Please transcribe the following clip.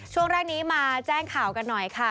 ช่วงแรกนี้มาแจ้งข่าวกันหน่อยค่ะ